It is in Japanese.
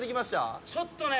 ちょっとね。